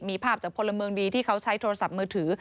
มีภาพจากพลเมืองดีที่เขาใช้โทรศัพท์มือถือ